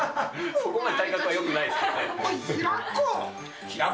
そこまで体格はよくないですおい、平子。